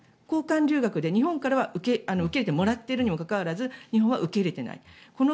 交換留学で日本からは受け入れてもらっているにもかかわらず日本は受け入れていない。